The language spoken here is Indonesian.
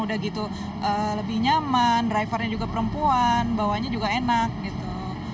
udah gitu lebih nyaman drivernya juga perempuan bawahnya juga enak gitu